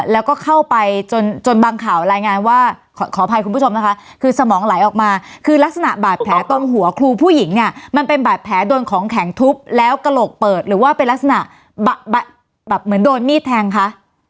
แล้วก็เข้าไปจนจนบางข่าวรายงานว่าขออภัยคุณผู้ชมนะคะคือสมองไหลออกมาคือลักษณะบาดแผลตรงหัวครูผู้หญิงเนี่ยมันเป็นบาดแผลโดนของแข็งทุบแล้วกระโหลกเปิดหรือว่าเป็นลักษณะแบบเหมือนโดนมีดแทงคะ